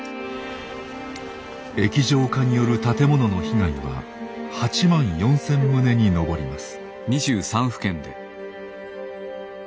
液状化による建物の被害は８万４，０００棟に上ります。